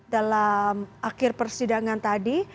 dalam akhir persidangan tadi